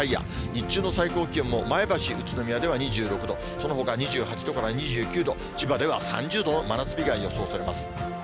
日中の最高気温も前橋、宇都宮では２６度、そのほか２８度から２９度、千葉では３０度の真夏日が予想されます。